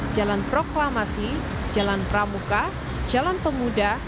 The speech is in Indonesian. jalan proklamasi jalan pramuka jalan pemuda